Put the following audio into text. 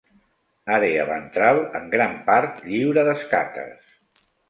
Àrea ventral, en gran part, lliure d'escates.